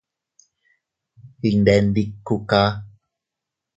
Iyndè ndikuka.